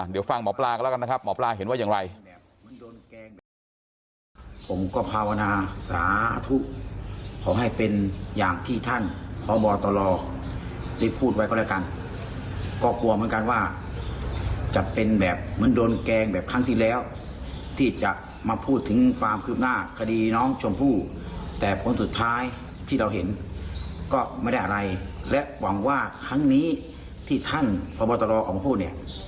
เดี๋ยวฟังหมอปลากันแล้วกันนะครับหมอปลาเห็นว่าอย่างไร